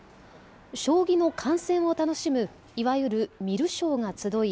将棋の観戦を楽しむいわゆる観る将が集い